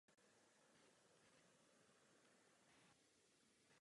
V západní částí stojí v průčelí kostela hranolová věž.